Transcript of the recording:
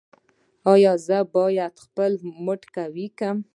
ایا زه باید خپل مټې قوي کړم؟